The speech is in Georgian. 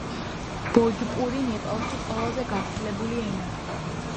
ბოჯპური ნეპალში ყველაზე გავრცელებული ენაა.